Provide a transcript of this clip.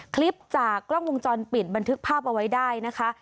คลิปจากกล้องวงจรปิดบันทึกภาพเอาไว้ได้นะคะ